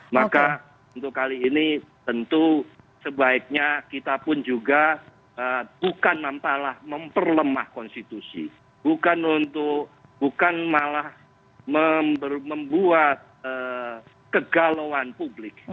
maka untuk kali ini tentu sebaiknya kita pun juga bukan mampalah memperlemah konstitusi bukan untuk bukan malah membuat kegalauan publik